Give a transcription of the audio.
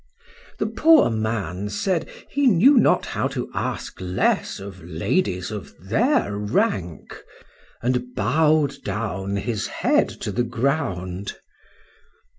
The poor man said, he knew not how to ask less of ladies of their rank; and bow'd down his head to the ground.